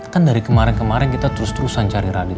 kan dari kemarin kemarin kita terus terusan cari rudi